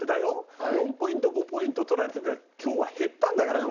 ４ポイント５ポイント取られてて今日は減ったんだからね？